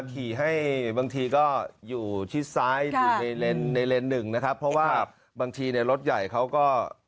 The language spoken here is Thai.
นะฮะบังทีก็อยู่ที่ซ้ายในเลนส์หนึ่งนะครับเพราะว่าบางทีในรถใหญ่เค้าก็